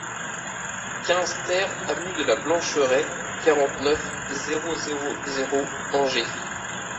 quinze TER aVENUE DE LA BLANCHERAIE, quarante-neuf, zéro zéro zéro, Angers